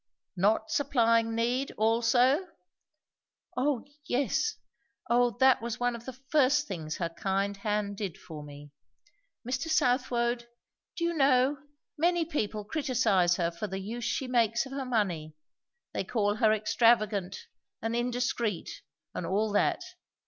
"Not 'supplying need' also?" "O yes! O that was one of the first things her kind hand did for me. Mr. Southwode, do you know, many people criticise her for the use she makes of her money; they call her extravagant, and indiscreet, and all that.